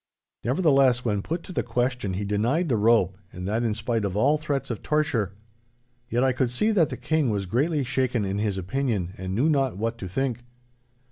Nevertheless when put to the question he denied the rope, and that in spite of all threats of torture. Yet I could see that the King was greatly shaken in his opinion, and knew not what to think.